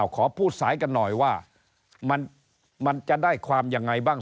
ขอพูดสายกันหน่อยว่ามันจะได้ความยังไงบ้าง